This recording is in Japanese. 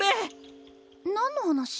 何の話？